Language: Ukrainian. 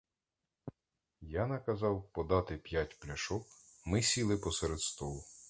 Я наказав подати п'ять пляшок, ми сіли посеред столу.